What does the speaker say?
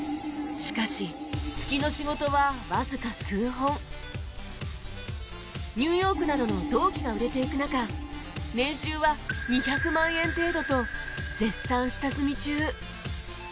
しかしニューヨークなどの同期が売れていく中年収は２００万円程度と絶賛下積み中